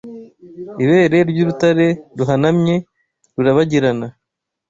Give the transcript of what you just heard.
ibere ryurutare ruhanamye Rurabagirana